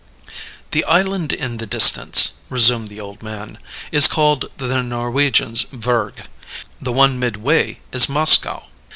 "The island in the distance," resumed the old man, "is called by the Norwegians Vurrgh. The one midway is Moskoe.